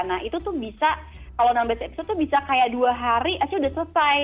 nah itu tuh bisa kalau enam belas episode tuh bisa kayak dua hari akhirnya udah selesai